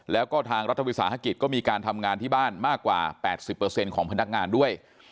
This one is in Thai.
แล้วก็ทางรัฐวิสาหกิจก็มีการทำงานที่บ้านมากกว่าแปดสิบเปอร์เซ็นต์ของพนักงานด้วย